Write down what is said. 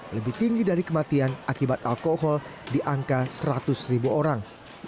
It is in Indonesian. lebih tinggi dari kematian akibat alkohol di angka seratus ribu orang